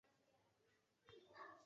代表人物有牟兴甲和方万春。